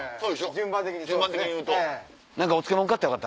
順番的にいうと。